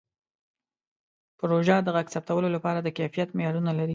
پروژه د غږ ثبتولو لپاره د کیفیت معیارونه لري.